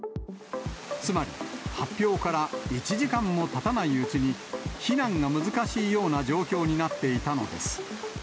つまり、発表から１時間もたたないうちに、避難が難しいような状況になっていたのです。